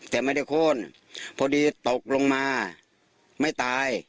แต่ไม่ได้โค้นพอดีตกลงมาไม่ตาย